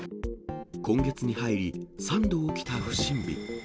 今月に入り、３度起きた不審火。